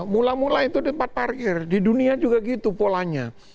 mula mula itu tempat parkir di dunia juga gitu polanya